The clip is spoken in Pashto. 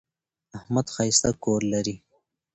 احمد ښایسته کور لري.